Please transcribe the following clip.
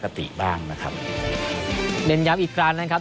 บ้างนะครับเน้นย้ำอีกครั้งนะครับ